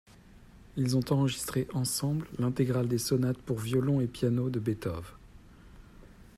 Ils ont enregistré ensemble l'intégrale des sonates pour violon et piano de Beethoven.